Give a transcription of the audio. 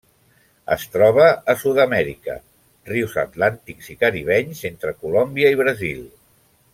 Es troba a Sud-amèrica: rius atlàntics i caribenys entre Colòmbia i Brasil.